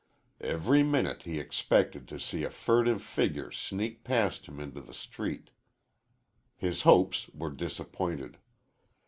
Every minute he expected to see a furtive figure sneak past him into the street. His hopes were disappointed.